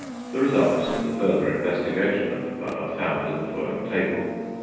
The results of the further investigation of the blood are found in the following table.